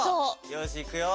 よしいくよ。